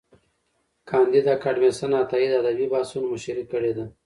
کانديد اکاډميسن عطايي د ادبي بحثونو مشري کړې ده.